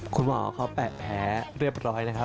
คุณหมอเขาแปะแผลเรียบร้อยนะครับ